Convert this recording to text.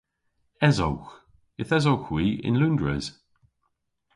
Esowgh. Yth esowgh hwi yn Loundres.